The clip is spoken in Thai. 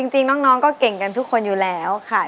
จริงน้องก็เก่งกันทุกคนอยู่แล้วค่ะ